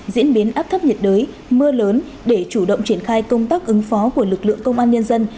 diễn biến áp thấp nhiệt đới mưa lớn để chủ động triển khai công tác ứng phó của lực lượng công an nhân dân